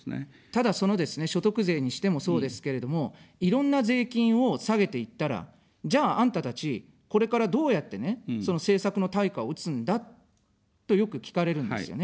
ただ、そのですね、所得税にしてもそうですけれども、いろんな税金を下げていったら、じゃあ、あんたたち、これからどうやってね、その政策の対価を打つんだと、よく聞かれるんですよね。